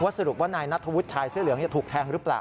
สรุปว่านายนัทธวุฒิชายเสื้อเหลืองถูกแทงหรือเปล่า